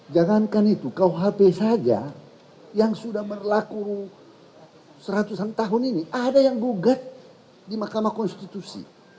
jangankan itu kuhp saja yang sudah berlaku seratusan tahun ini ada yang gugat di mahkamah konstitusi